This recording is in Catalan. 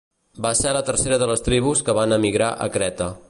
Va ser la tercera de les tribus que van emigrar a Creta.